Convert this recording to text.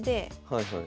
はいはい。